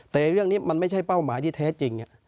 แต่เรื่องนี้มันไม่ใช่เป้าหมายที่แท้จริง